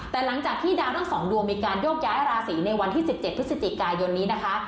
แต่หลังจากที่ดาวทั้งสองดวงมีการโยกย้ายราศีในวันที่สิบเจ็ดทุกสิบสิบกายนี้นะคะ